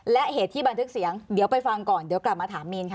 และเหตุที่บันทึกเสียงเดี๋ยวไปฟังก่อนเดี๋ยวกลับมาถามมีนค่ะ